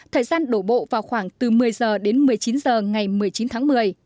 thời gian đổ bộ vào khoảng từ một mươi h đến một mươi chín h ngày một mươi chín tháng một mươi